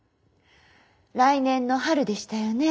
来年の春でしたよね？